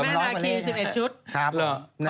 แม่นาคี๑๑ชุด